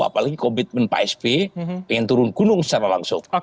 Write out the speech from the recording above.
apalagi komitmen pak sp ingin turun gunung secara langsung